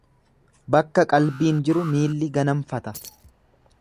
Bakka qalbiin jiru miilli ganamfata.